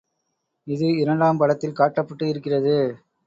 இது இரண்டாம் படத்தில் காட்டப்பட்டு இருக்கிறது.